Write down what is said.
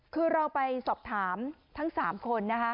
คือเราไปสอบถามทั้ง๓คนนะคะ